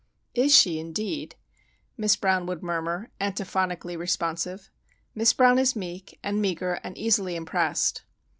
"Is she indeed?" Miss Brown would murmur, antiphonically responsive. Miss Brown is meek, and meagre, and easily impressed.